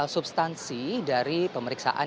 substansi dari pemeriksaan